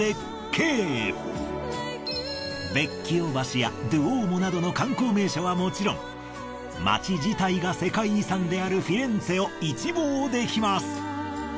ヴェッキオ橋やドゥオーモなどの観光名所はもちろん街自体が世界遺産であるフィレンツェを一望できます。